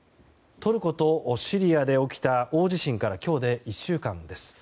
トルコとシリアで起きた大地震から今日で１週間です。